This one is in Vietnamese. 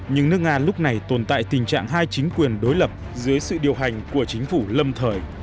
nhưng nước nga lúc này tồn tại tình trạng hai chính quyền đối lập dưới sự điều hành của chính phủ lâm thời